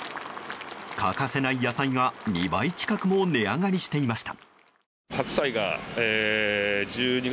欠かせない野菜が、２倍近くも値上がりしていました。